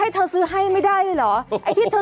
ให้เธอซื้อให้ไม่ได้หรอไอ้ที่